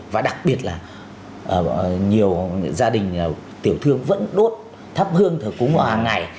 và đặc biệt là nhiều gia đình tiểu thương vẫn đốt tháp hương thử cúng hằng ngày